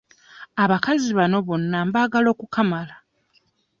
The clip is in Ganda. Abakazi bano bonna mbaagala okukamala.